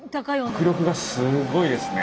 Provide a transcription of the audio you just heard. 迫力がすごいですね。